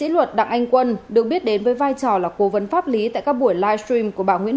luật đặng anh quân được biết đến với vai trò là cố vấn pháp lý tại các buổi livestream của bà nguyễn